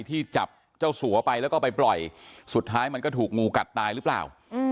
ที่จับเจ้าสัวไปแล้วก็ไปปล่อยสุดท้ายมันก็ถูกงูกัดตายหรือเปล่า